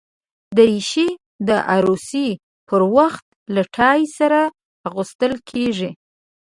دریشي د عروسي پر وخت له ټای سره اغوستل کېږي.